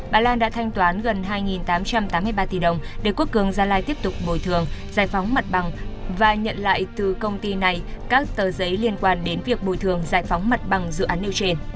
bà lan đã thanh toán gần hai tám trăm tám mươi ba tỷ đồng để quốc cường gia lai tiếp tục bồi thường giải phóng mặt bằng và nhận lại từ công ty này các tờ giấy liên quan đến việc bồi thường giải phóng mặt bằng dự án nêu trên